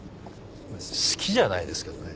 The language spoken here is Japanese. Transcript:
好きじゃないですけどね。